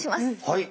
はい。